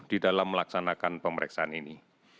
di dalam melaksanakan pemeriksaan ini